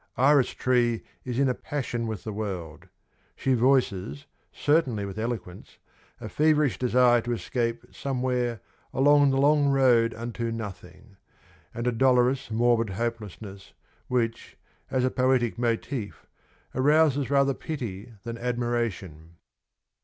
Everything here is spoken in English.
Iris Tree is in a passion with the world. She voices, certainly with eloquence, a feverish desire to escape somewhere along the long road unto nothing ' and a dolorous morbid hopelessness which, as a poetic motif, arouses rather pity than admiration.